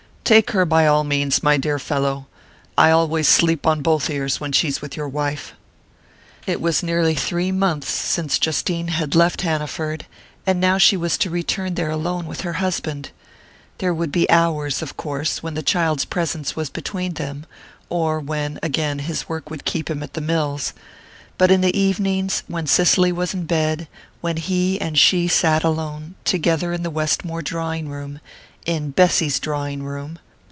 "Take her by all means, my dear fellow: I always sleep on both ears when she's with your wife." It was nearly three months since Justine had left Hanaford and now she was to return there alone with her husband! There would be hours, of course, when the child's presence was between them or when, again, his work would keep him at the mills. But in the evenings, when Cicely was in bed when he and she sat alone, together in the Westmore drawing room in Bessy's drawing room!...